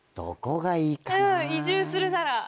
移住するなら。